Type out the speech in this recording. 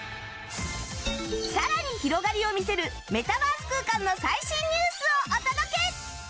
さらに広がりを見せるメタバース空間の最新ニュースをお届け！